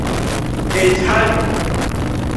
Еицәажәон.